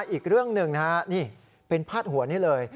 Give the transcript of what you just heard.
อีกเรื่องหนึ่งนะฮะนี่เป็นพาดหัวนี้เลย